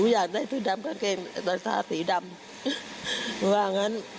อยากได้สีดำกางเกงสาวสีดำหรือว่าอย่างงั้น